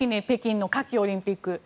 北京の夏季オリンピック。